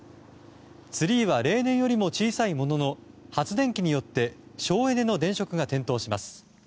ツリーは例年よりも小さいものの発電機によって省エネの電飾が点灯します。